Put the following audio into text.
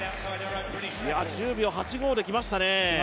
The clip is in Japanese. １０秒８５で来ましたね。